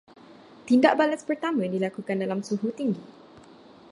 Tindak balas pertama dilakukan dalam suhu tinggi